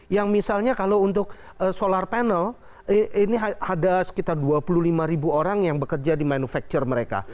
yang misalnya kalau untuk solar panel ini ada sekitar dua puluh lima ribu orang yang bekerja di manufacture mereka